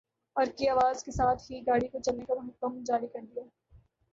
اور کی آواز کے ساتھ ہی گاڑی کو چلنے کا حکم جاری کر دیا ۔